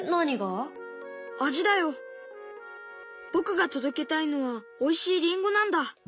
僕が届けたいのはおいしいりんごなんだ。